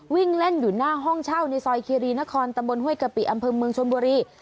วิ่งเล่นอยู่หน้าห้องเช่าในซอยคีรีนครตำบลห้วยกะปิอำเภอเมืองชนบุรี